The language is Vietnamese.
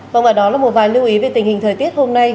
và ngoài đó là một vài lưu ý về tình hình thời tiết hôm nay